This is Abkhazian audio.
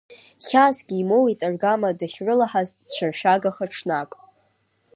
Хьаасгьы имоуит аргама дахьрылаҳаз дцәыршәагаха ҽнак.